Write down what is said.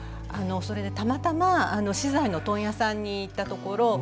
あのそれでたまたま資材の問屋さんに行ったところ